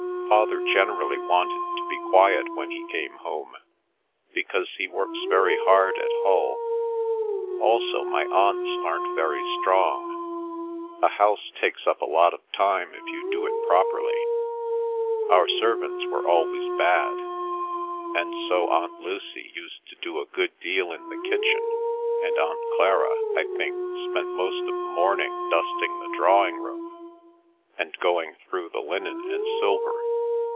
Father generally wanted to be quiet when he came home, because he works very hard at Hull. Also my aunts aren't very strong. A house takes up a lot of time if you do it properly. Our servants were always bad, and so Aunt Lucy used to do a good deal in the kitchen, and Aunt Clara, I think, spent most of the morning dusting the drawing room and going through the linen and silver.